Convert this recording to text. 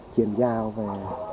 chuyển giao về